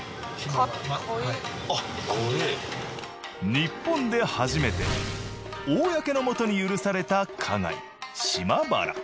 日本で初めて公のもとに許された花街・島原。